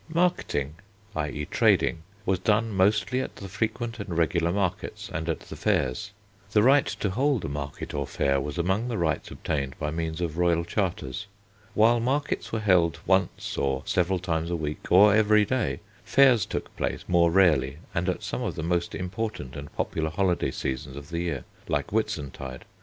Marketing, i.e. trading, was done mostly at the frequent and regular markets and at the fairs. The right to hold a market or a fair was among the rights obtained by means of royal charters. While markets were held once or several times a week or every day, fairs took place more rarely and at some of the most important and popular holiday seasons of the year, like Whitsuntide.